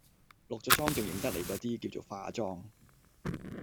落咗妝仲認得你嗰啲，叫做化妝